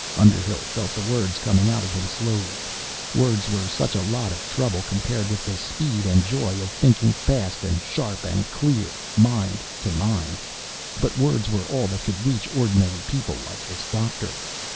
Underhill felt the words coming out of him slowly. Words were such a lot of trouble compared with the speed and the joy of thinking, fast and sharp and clear, mind to mind! But words were all that could reach ordinary people like this doctor.